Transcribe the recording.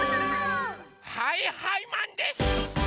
はいはいマンです！